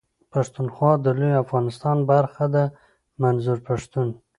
پښتونخوا د لوی افغانستان برخه ده منظور پښتون.